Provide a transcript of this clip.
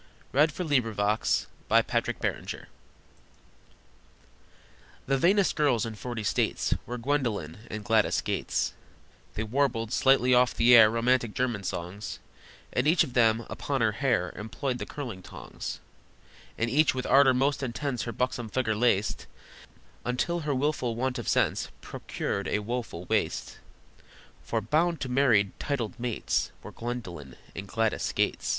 How Fair Cinderella Disposed of Her Shoe The vainest girls in forty states Were Gwendolyn and Gladys Gates; They warbled, slightly off the air, Romantic German songs, And each of them upon her hair Employed the curling tongs, And each with ardor most intense Her buxom figure laced, Until her wilful want of sense Procured a woeful waist: For bound to marry titled mates Were Gwendolyn and Gladys Gates.